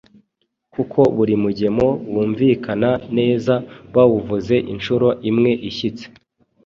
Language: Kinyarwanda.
kuko buri mugemo wumvikana neza bawuvuze inshuro imwe ishyitse.